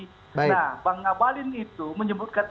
nah bang ngabalin itu menyebutkan